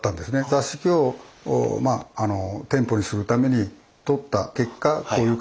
座敷を店舗にするために取った結果こういう形になったわけです。